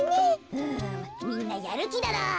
うむみんなやるきだな。